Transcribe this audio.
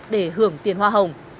để hưởng tiền hoa hồng